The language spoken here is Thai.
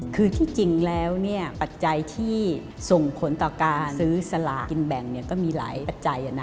คือที่จริงแล้วปัจจัยที่ส่งผลต่อการซื้อสลากินแบ่งก็มีหลายปัจจัย